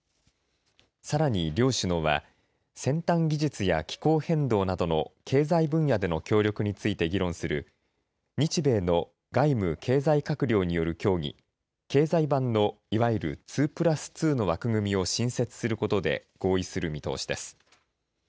さらに両首脳は先端技術や気候変動などの経済分野での協力について議論する日米の外務・経済閣僚による協議経済版のいわゆる２プラス２の枠組みを新設することで合意する見通しです。